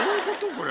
これ。